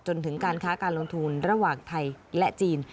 จนถึงการค้าการลงทุนระหว่างไทยและจีน